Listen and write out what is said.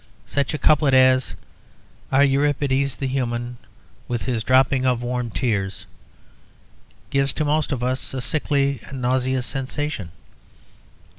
Such a couplet as: "Our Euripides, the human, With his dropping of warm tears," gives to most of us a sickly and nauseous sensation.